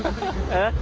えっ。